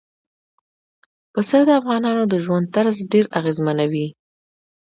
پسه د افغانانو د ژوند طرز ډېر اغېزمنوي.